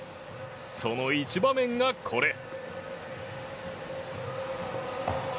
その１場面がこれ。